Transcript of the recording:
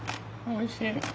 おいしい？